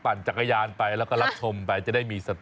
จักรยานไปแล้วก็รับชมไปจะได้มีสติ